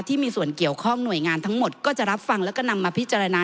ที่มีส่วนเกี่ยวข้องหน่วยงานทั้งหมดก็จะรับฟังแล้วก็นำมาพิจารณา